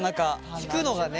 引くのがね。